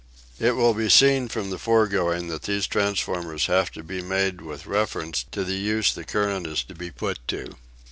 It will be seen from the foregoing that these transformers have to be made with reference to the use the current is to be put to.